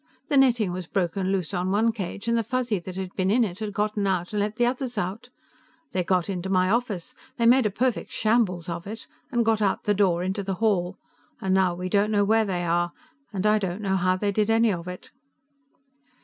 The netting was broken loose on one cage and the Fuzzy that had been in it had gotten out and let the others out. They got into my office they made a perfect shambles of it and got out the door into the hall, and now we don't know where they are. And I don't know how they did any of it."